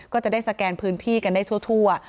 ก็จะได้สแกนพื้นที่กันได้ทั่ว